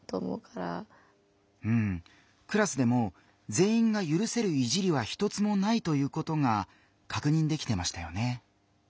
クラスでもぜんいんがゆるせる「いじり」は一つもないということがかくにんできてましたよね。